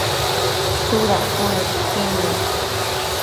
tsuda cuëmëdqui nec?